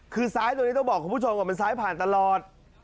คือซ้ายตรงนี้ต้องบอกคุณผู้ชมก่อนมันซ้ายผ่านตลอด